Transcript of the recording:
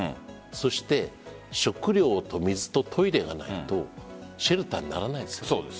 そして食料と水とトイレがないとシェルターにならないですよね。